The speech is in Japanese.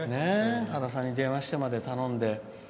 原さんに電話してまで頼んで。